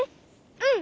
うん。